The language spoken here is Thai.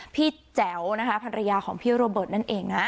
แจ๋วนะคะภรรยาของพี่โรเบิร์ตนั่นเองนะ